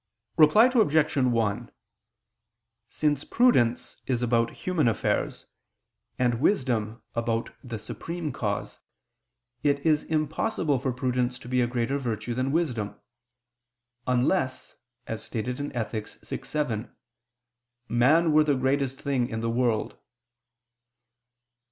Reply Obj. 1: Since prudence is about human affairs, and wisdom about the Supreme Cause, it is impossible for prudence to be a greater virtue than wisdom, "unless," as stated in Ethic. vi, 7, "man were the greatest thing in the world."